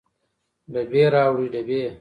ډبې راوړه ډبې